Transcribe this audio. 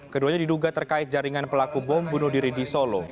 keduanya diduga terkait jaringan pelaku bom bunuh diri di solo